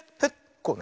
こうね。